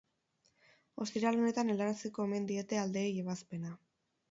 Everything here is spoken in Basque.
Ostiral honetan helaraziko omen diete aldeei ebazpena.